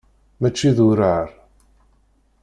Mačči d urar.